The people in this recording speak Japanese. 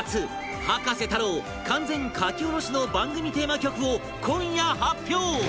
葉加瀬太郎完全書き下ろしの番組テーマ曲を今夜発表！